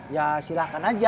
ya silahkan aja